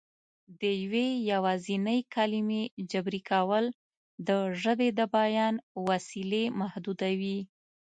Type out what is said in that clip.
د یوې یوازینۍ کلمې جبري کول د ژبې د بیان وسیلې محدودوي